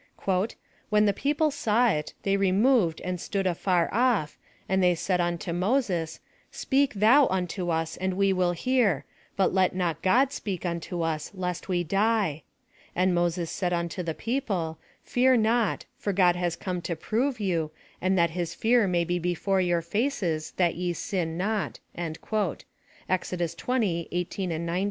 " When the people saw it, they removed and stood afar ofl', and thej said unto Moses, Speak thou unto us and we will hear : but let not God speak unto us lest we die. And Moses said unto the people, Fear not, for God has come to prove you, and that his fear may be before your faces that ye sin not.'' — Ex. 20 ; 18, 19.